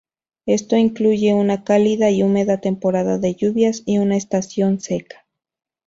Esto incluye una cálida y húmeda temporada de lluvias y una estación seca.